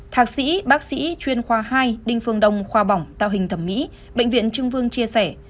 thạc sĩ bác sĩ chuyên khoa hai đinh phương đông khoa bỏng tạo hình thẩm mỹ bệnh viện trưng vương chia sẻ